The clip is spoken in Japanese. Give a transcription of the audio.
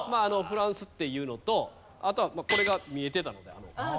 フランスっていうのとあとはこれが見えてたのでこういうでかい。